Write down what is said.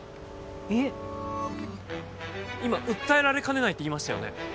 いえ今訴えられかねないって言いましたよね？